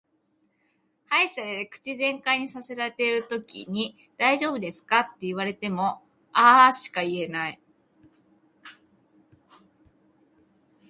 歯医者で口全開にさせられてるときに「大丈夫ですか」って言われもも「あー」しか言えない。